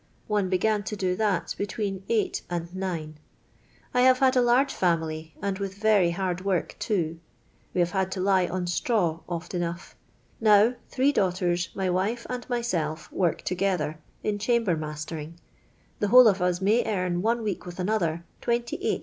One began to do that between eight and nine. I have had a large family, and with very hard work too. We have had to lie on stnw oft enough. Now, three daughters, my wife, and myself work together, in chamber mastering ; the whole of us may earn, one week with another, 28i.